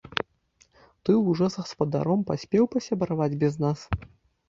Ты ўжо з гаспадаром паспеў пасябраваць без нас?